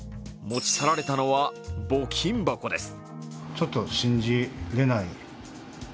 持ち去られたのは募金箱です。